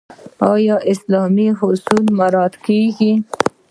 آیا اسلامي اصول مراعات کیږي؟